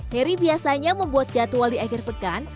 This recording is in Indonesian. heri biasanya membuat jadwal di akhir pekan